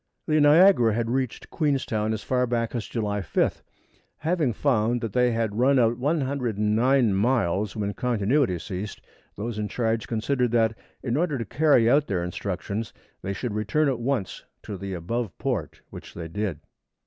The Niagara had reached Queenstown as far back as July 5th. Having found that they had run out 109 miles when "continuity" ceased, those in charge considered that, in order to carry out their instructions, they should return at once to the above port, which they did.